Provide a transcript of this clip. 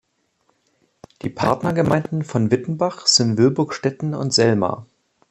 Die Partnergemeinden von Wittenbach sind Wilburgstetten und Selma.